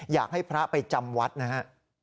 อยากให้พระไปจำวัดนะฮะ